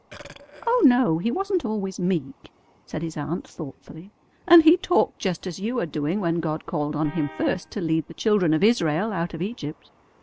"Oh, no, he wasn't always meek," said his aunt thoughtfully; "and he talked just as you are doing when God called on him first to lead the children of Israel out of Egypt.